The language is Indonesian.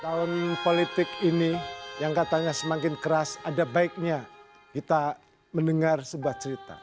tahun politik ini yang katanya semakin keras ada baiknya kita mendengar sebuah cerita